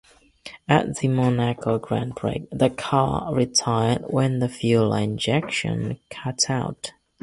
At the Monaco Grand Prix the car retired when the fuel injection cut out.